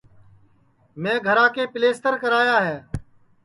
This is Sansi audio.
میں گھرا کے پِلیستر کرا یا ہے